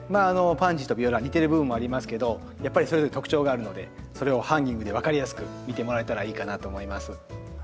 パンジーとビオラ似てる部分もありますけどやっぱりそれぞれ特徴があるのでそれをハンギングで分かりやすく見てもらえたらいいかなと思います。